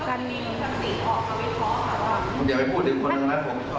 ท่านนายกค่ะ